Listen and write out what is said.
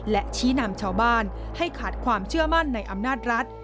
และชี้นำชาวบ้านให้ขาดความเชื่อมั่นในอำนาจรัฐ